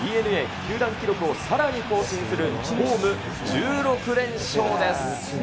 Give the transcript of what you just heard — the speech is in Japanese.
ＤｅＮＡ、球団記録をさらに更新するホーム１６連勝中です。